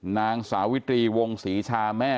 นางสาวิตรีวงศรีชาแม่